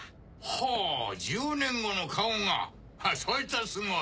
はぁ１０年後の顔がそいつはすごい！